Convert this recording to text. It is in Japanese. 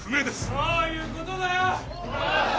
どういうことだよ？